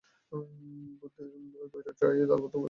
ভুতদের ঐ বইটা ড্রয়ারে তালাবন্ধ করে রেখে দিয়েছি।